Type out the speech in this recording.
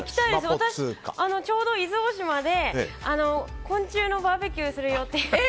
私、ちょうど伊豆大島で昆虫のバーベキューする予定で。